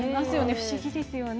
不思議ですよね。